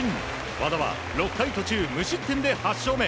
和田は６回途中無失点で８勝目。